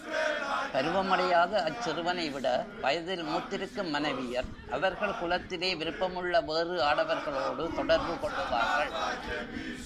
பருவமடையாத அச்சிறுவனைவிட, வயதில் மூத்திருக்கும் மனைவியர், அவர்கள் குலத்திலே விருப்பமுள்ள வேறு ஆடவர்களோடு தொடர்பு கொள்ளுவார்கள்.